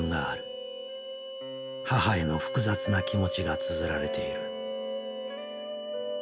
母への複雑な気持ちがつづられている。